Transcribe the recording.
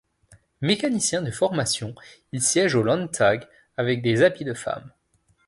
Mécanicien de formation, il siège au Landtag avec des habits de femme.